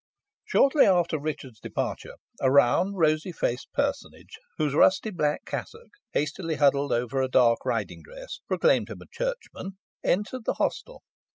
Shortly after Richard's departure, a round, rosy faced personage, whose rusty black cassock, hastily huddled over a dark riding dress, proclaimed him a churchman, entered the hostel.